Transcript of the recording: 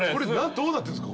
どうなってるんですか？